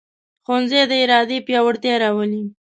ښوونځی د ارادې پیاوړتیا راولي